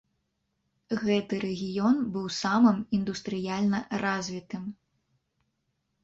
Гэты рэгіён быў самым індустрыяльна развітым.